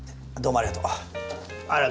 ありがとう。